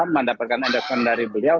mendapatkan endorsement dari beliau